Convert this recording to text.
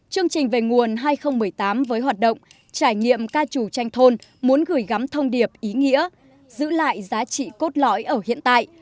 chương trình về nguồn hai nghìn một mươi tám với hoạt động trải nghiệm ca trù tranh thôn muốn gửi gắm thông điệp ý nghĩa giữ lại giá trị cốt lõi ở hiện tại